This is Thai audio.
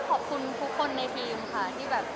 ขอบคุณทุกคนในทีมนะคะ